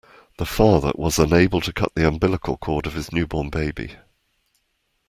The father was unable to cut the umbilical cord of his newborn baby.